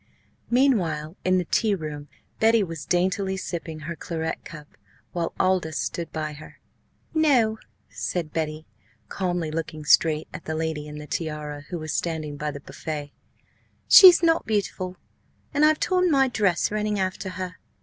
Meanwhile, in the tea room, Betty was daintily sipping her claret cup, while Aldous stood by her. "No," said Betty, calmly, looking straight at the lady in the tiara who was standing by the buffet, "she's not beautiful, and I've torn my dress running after her.